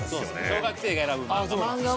小学生が選ぶ漫画。